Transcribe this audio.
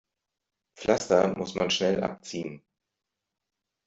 Pflaster muss man schnell abziehen.